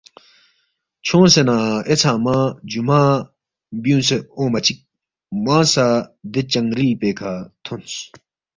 چھونگسے نہ اے ژھنگمہ جُمعہ بیُونگسے اونگما چِک موانگ سہ دے چنگرِل پیکھہ تھونس